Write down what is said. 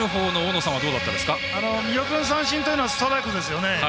見逃し三振というのはストライクですよね。